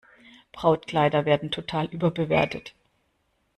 Brautkleider werden total überbewertet.